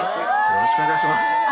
よろしくお願いします。